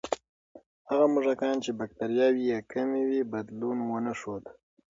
هغه موږکان چې بکتریاوې یې کمې وې، بدلون ونه ښود.